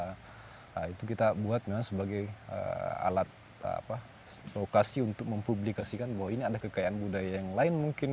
nah itu kita buat memang sebagai alat lokasi untuk mempublikasikan bahwa ini ada kekayaan budaya yang lain mungkin